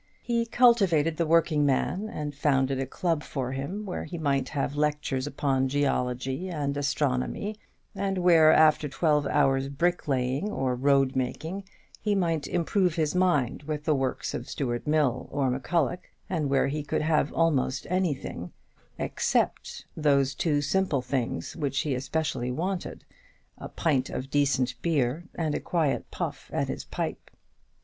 He cultivated the working man, and founded a club for him, where he might have lectures upon geology and astronomy, and where, after twelve hours' bricklaying or road making, he might improve his mind with the works of Stuart Mill or M'Culloch, and where he could have almost anything; except those two simple things which he especially wanted, a pint of decent beer and a quiet puff at his pipe.